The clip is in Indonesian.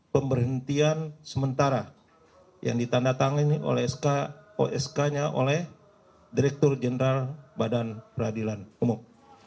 pemberhentian sementara yang ditandatangani oleh sk osk nya oleh direktur jenderal badan peradilan umum